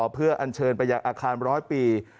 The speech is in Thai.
เพื่ออันเชิญไปอย่างอาคาร๑๐๐ปี